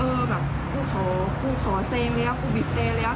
กูขอเซงแล้วกูบิดเตรียมแล้ว